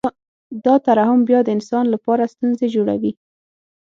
دا ترحم بیا د انسان لپاره ستونزې جوړوي